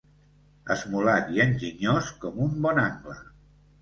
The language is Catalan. Esmolat i enginyós com un bon angle.